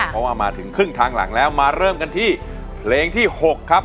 เพราะว่ามาถึงครึ่งทางหลังแล้วมาเริ่มกันที่เพลงที่๖ครับ